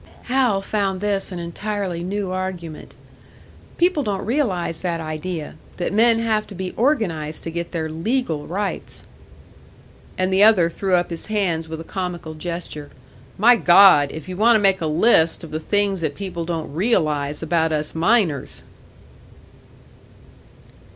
Hal found this an entirely new argument. "People don't realise that idea that men have to be organised to get their legal rights." And the other threw up his hands with a comical gesture. "My God! If you want to make a list of the things that people don't realise about us miners!"